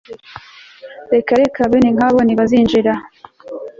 Reka Reka Bene nkabo ntibazinjira